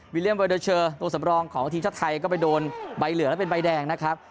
เลี่ยมเบอร์เดอร์เชอร์ตัวสำรองของทีมชาติไทยก็ไปโดนใบเหลืองและเป็นใบแดงนะครับ